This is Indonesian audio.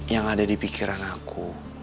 yang ada di pikiran aku